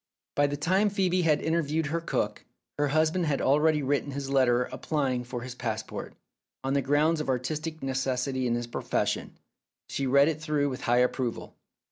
By the time Phcebe had interviewed her cook, her husband had already written his letter applying for his passport, on the grounds of artistic necessity in his profession. She read it through with high approval.